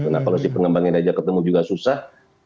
nah kalau si pengembang yang diajak ketemu juga susah